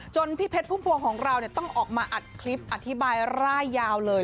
พี่เพชรพุ่มพวงของเราต้องออกมาอัดคลิปอธิบายร่ายยาวเลย